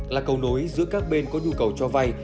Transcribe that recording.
là cầu nối giữa các bên có nhu cầu cho vay